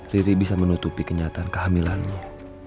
riri bisa menutupi kenyataan kehamilannya